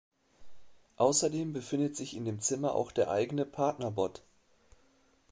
Außerdem befindet sich in dem Zimmer auch der eigene Partner-Bot.